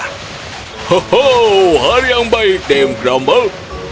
hoho hari yang baik dame grumble